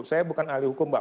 saya bukan ahli hukum mbak